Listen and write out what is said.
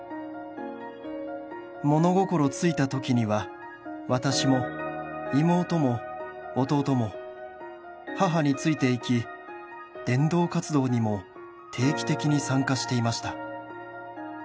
「物心ついた時には私も妹も弟も母についていき伝道活動にも定期的に参加していました」